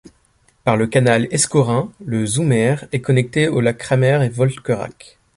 Par le canal Escaut-Rhin le Zoommeer est connecté aux lacs Krammer et Volkerak.